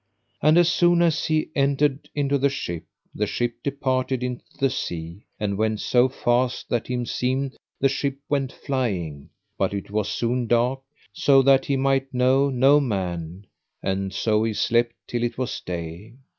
And as soon as he entered into the ship, the ship departed into the sea, and went so fast that him seemed the ship went flying, but it was soon dark so that he might know no man, and so he slept till it was day.